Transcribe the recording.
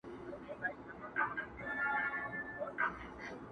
• ګلان راوړه سپرلیه د مودو مودو راهیسي..